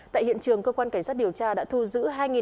tại hiện trường cơ quan cảnh sát điều tra đã thu giữ